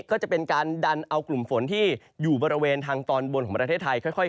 ก็จะเป็นการดันเอากลุ่มฝนที่อยู่บริเวณทางตอนบนของประเทศไทยค่อย